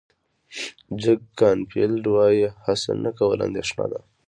جک کانفیلډ وایي هڅه نه کول اندېښنه ده.